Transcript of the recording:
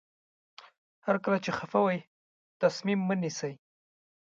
هر کله چې خفه وئ تصمیم مه نیسئ.